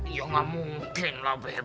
iya nggak mungkin lah beb